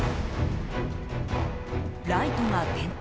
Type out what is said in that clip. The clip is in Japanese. ライトが点灯。